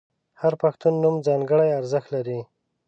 • هر پښتو نوم ځانګړی ارزښت لري.